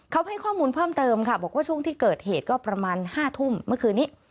เขาให้ข้อมูลเพิ่มเติมค่ะบอกว่าช่วงที่เกิดเหตุก็ประมาณ๕ทุ่มเมื่อคืนนี้